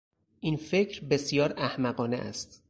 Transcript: این فکر بسیار احمقانه است